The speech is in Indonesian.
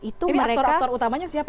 itu mereka ini aktor aktor utamanya siapa